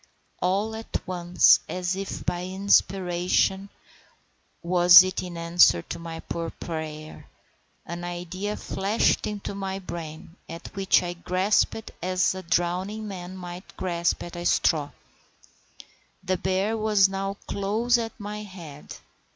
All at once, as if by inspiration—was it in answer to my poor prayer?—an idea flashed into my brain, at which I grasped as a drowning man might grasp at a straw. The bear was now close at my head.